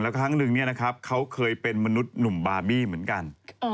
ครั้งหนึ่งเนี่ยนะครับเขาเคยเป็นมนุษย์หนุ่มบาร์บี้เหมือนกัน